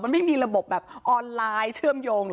มันไม่มีระบบแบบออนไลน์เชื่อมโยงเหรอ